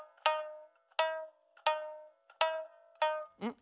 ん？